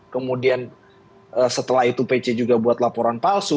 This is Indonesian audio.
kemudian setelah itu pc juga buat laporan palsu